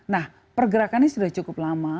nah pergerakannya sudah cukup lama